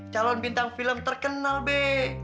calon bintang film terkenal be